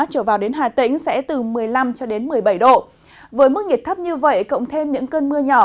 trở vào đến hà tĩnh sẽ từ một mươi năm một mươi bảy độ với mức nhiệt thấp như vậy cộng thêm những cơn mưa nhỏ